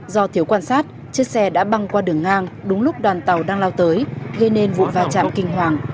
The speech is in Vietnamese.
do thiếu quan sát chiếc xe đã băng qua đường ngang đúng lúc đoàn tàu đang lao tới gây nên vụ va chạm kinh hoàng